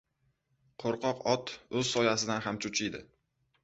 • Qo‘rqoq ot o‘z soyasidan ham cho‘chiydi.